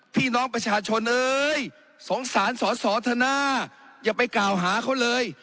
พี่น้องประชาชนเอ้ยสงสารสอสอธนาอย่าไปกล่าวหาเขาเลย